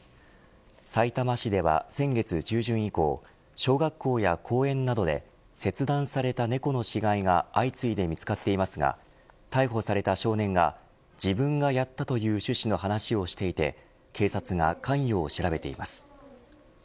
さいたま市では先月中旬以降小学校や公園などで切断された猫の死骸が相次いで見つかっていますが逮捕された少年が自分がやったという趣旨の話をしていて警察が関与を調べています。